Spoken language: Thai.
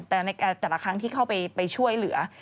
แต่ในแต่ละครั้งที่เข้าไปช่วยเหลือ